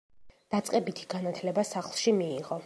დაწყებითი განათლება სახლში მიიღო.